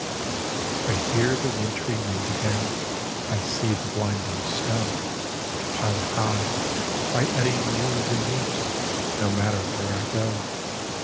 I hear the wintry wind again, I see the blinding snow, Pil'd high, by eddying winds, in heaps, No matter where I go.